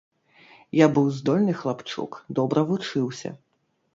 Я быў здольны хлапчук, добра вучыўся.